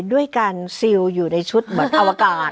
ด้วยการซีลอยู่ในชุดแบบอวกาศ